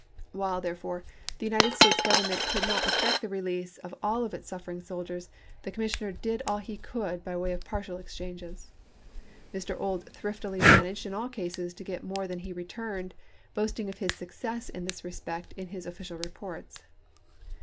While, therefore, the United States Government could not effect the release of all its canby's suffering soldiers the commissioner did all he could pp.53^ 542. by way of partial exchanges. Mr. Ould thriftily managed in all cases to get more than he returned, boasting of his success in this respect in his official reports.